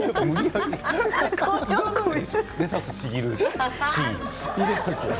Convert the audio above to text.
レタスをちぎる。